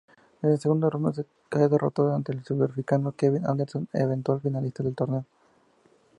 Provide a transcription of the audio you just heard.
En segunda ronda cae derrotado ante el sudafricano Kevin Anderson eventual finalista del torneo.